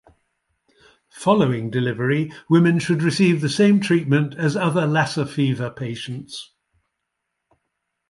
Following delivery, women should receive the same treatment as other Lassa fever patients.